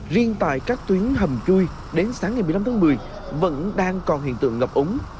riêng tại các tuyến hầm chui đến sáng ngày một mươi năm tháng một mươi vẫn đang còn hiện tượng ngập úng